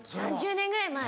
３０年ぐらい前。